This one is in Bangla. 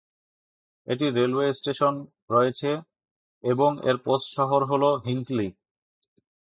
এটি রেলওয়ে স্টেশন রয়েছে; এবং এর পোস্ট শহর হল হিঙ্কলি।